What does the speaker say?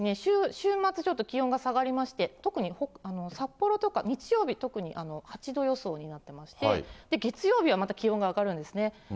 週末ちょっと気温が下がりまして、特に札幌とか、日曜日、特に８度予想になってまして、月曜日はまた気温が上がるんですね。